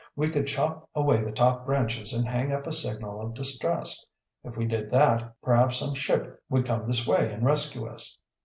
We could chop away the top branches and hang up a signal of distress. If we did that, perhaps some ship would come this way and rescue us."